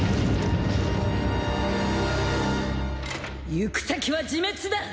行く先は自滅だ。